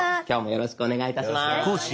よろしくお願いします。